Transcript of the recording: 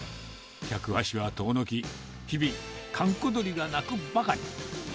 客足は遠のき、日々、閑古鳥が鳴くばかり。